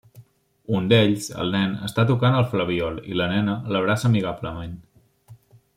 Un d'ells, el nen, està tocant el flabiol i la nena, l'abraça amigablement.